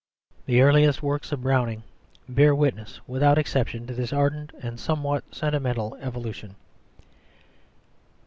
The earliest works of Browning bear witness, without exception, to this ardent and somewhat sentimental evolution.